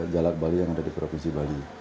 jalak bali yang ada di provinsi bali